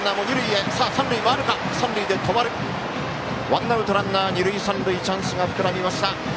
ワンアウト、ランナー、二塁三塁チャンス膨らみました。